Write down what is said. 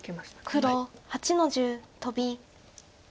黒８の十トビ。